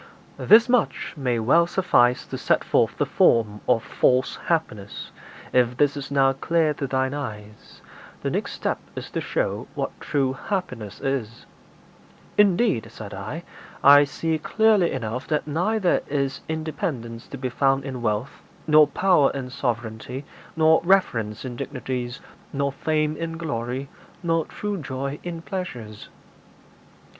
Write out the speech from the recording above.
IX. 'This much may well suffice to set forth the form of false happiness; if this is now clear to thine eyes, the next step is to show what true happiness is.' 'Indeed,' said I, 'I see clearly enough that neither is independence to be found in wealth, nor power in sovereignty, nor reverence in dignities, nor fame in glory, nor true joy in pleasures.'